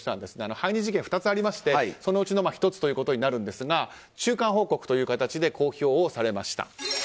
背任事件、２つありましてそのうちの１つということですが中間報告という形で公表をされました。